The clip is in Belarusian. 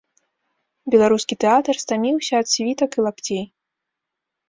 Беларускі тэатр стаміўся ад світак і лапцей.